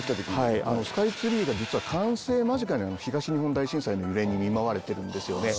はいスカイツリーが実は完成間近に東日本大震災の揺れに見舞われてるんですよね